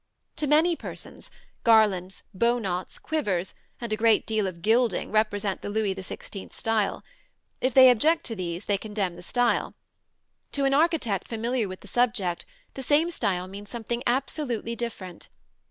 To many persons, garlands, bow knots, quivers, and a great deal of gilding represent the Louis XVI style; if they object to these, they condemn the style. To an architect familiar with the subject the same style means something absolutely different.